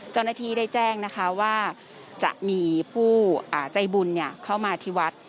เจ้าหน้าที่ได้แจ้งนะคะว่าจะมีผู้ใจบุญเข้ามาที่วัด